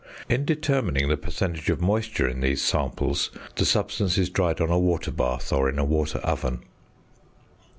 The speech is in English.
In determining the percentage of moisture in these samples, the substance is dried on a water bath or in a water oven.